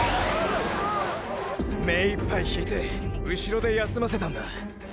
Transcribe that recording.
めいっぱい引いてうしろで休ませたんだ。